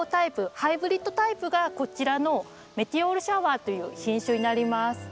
ハイブリッドタイプがこちらのメテオールシャワーという品種になります。